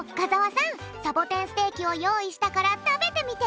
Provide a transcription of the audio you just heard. サボテンステーキをよういしたからたべてみて。